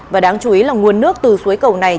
và đáng chú ý là nguồn nước từ suối cầu này